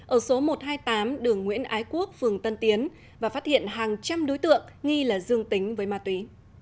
ở số một trăm hai mươi tám đường nguyễn ái quốc phường tân tiến và phát hiện hàng trăm đối tượng nghi là dương tính với ma túy